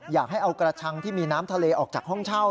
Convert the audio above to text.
อยากให้เอากระชังที่มีน้ำทะเลออกจากห้องเช่า